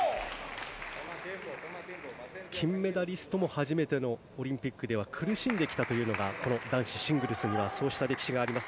金メダリストも初めてのオリンピックでは苦しんできたというのがこの男子シングルスではそうした歴史があります。